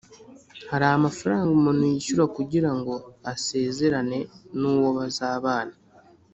hari amafaranga umuntu yishyura kugira ngo asezerane n’uwo bazabana,